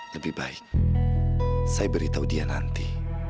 lebih baik saya beritahu dia nanti